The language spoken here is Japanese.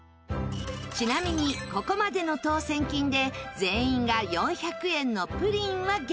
ちなみにここまでの当せん金で全員が４００円のプリンはゲット。